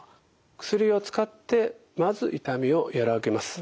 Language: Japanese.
薬を使ってまず痛みを和らげます。